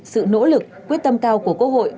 sự nỗ lực quyết tâm cao của quốc hội